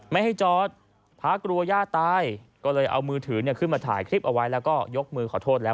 ไม่ให้จอดพระกลัวย่าตายก็เลยเอามือถือขึ้นมาถ่ายคลิปเอาไว้แล้วก็ยกมือขอโทษแล้ว